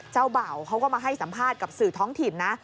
เจ้าบ่าวเขาก็มาให้สัมภาษณ์กับสื่อท้องถิ่นนะ